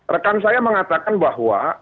rekan saya mengatakan bahwa